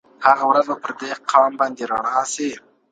هغه ورځ به پر دې قام باندي رڼا سي.